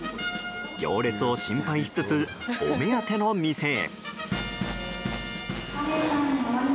行列を心配しつつお目当ての店へ。